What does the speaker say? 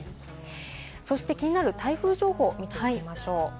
そして気になる台風情報、見ていきましょう。